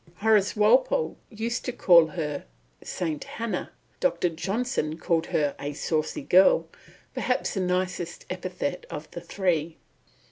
Horace Walpole used to call her "Saint Hannah." Dr. Johnson called her "a saucy girl," perhaps the nicest epithet of the three.